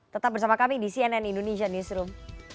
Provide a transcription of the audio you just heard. tetap bersama kami di cnn indonesia newsroom